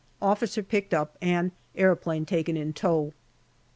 Officer picked up and aeroplane taken in tow.